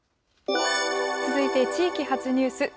続いて、地域発ニュース。